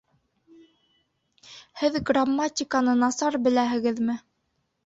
Һеҙ грамматиканы насар беләһегеҙме?